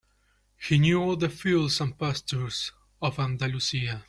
He knew all the fields and pastures of Andalusia.